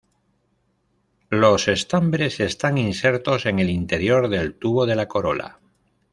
Los estambres están insertos en el interior del tubo de la corola.